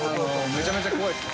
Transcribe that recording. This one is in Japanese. めちゃめちゃ怖いですね。